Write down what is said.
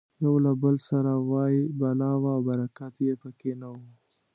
یو له بل سره وایي بلا وه او برکت یې پکې نه و.